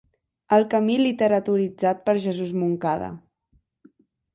El camí literaturitzat per Jesús Moncada.